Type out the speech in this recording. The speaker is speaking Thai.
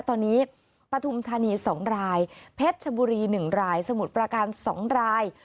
ตอนนี้ปฐุมธานี๒รายเพชรชบุรี๑รายสมุทรประการ๒ราย